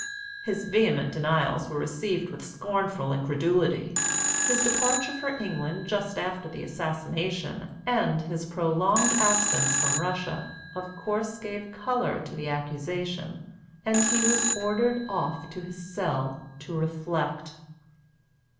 His vehement denials were received with scornful incredulity, his departure for England just after the assassination, and his prolonged absence from Russia, of course gave colour to the accusation, and he was ordered off to his cell "to reflect."